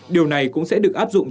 điều này cũng sẽ được áp dụng